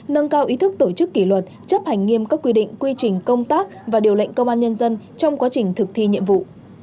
nâng cao ý thức tổ chức kỷ luật chấp hành nghiêm các quy định quy trình công tác và điều lệnh công an nhân dân trong quá trình thực thi nhiệm vụ